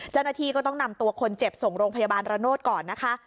เจ้าหน้าที่ก็ต้องนำตัวคนเจ็บส่งโรงพยาบาลระโนธก่อนนะคะ